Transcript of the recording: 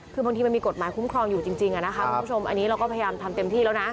คือบางทีมันมีกฎหมายคุ้มครองอยู่จริงคุณผู้ชมอันนี้เราก็พยายามทำเต็มที่แล้วนะ